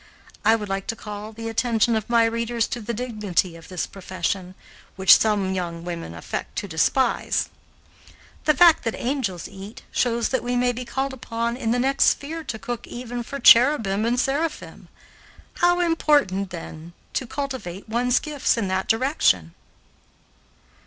I would like to call the attention of my readers to the dignity of this profession, which some young women affect to despise. The fact that angels eat, shows that we may be called upon in the next sphere to cook even for cherubim and seraphim. How important, then, to cultivate one's gifts in that direction!